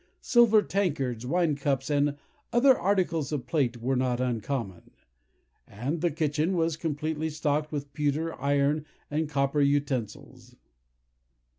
Silver tankards, wine cups, and other articles of plate, were not uncommon; and the kitchen was completely stocked with pewter, iron, and copper utensils.